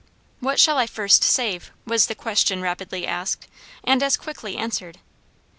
"What shall I first save?" was the question rapidly asked, and as quickly answered.